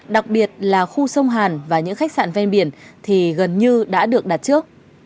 đặc biệt là khu sông hàn và những khách sạn ven biển thì gần như đã được đặt trước